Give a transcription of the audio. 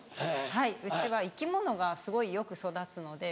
はい家は生き物がすごいよく育つので。